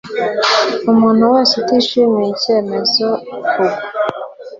umuntu wese utishimiye icyemezo k ugwa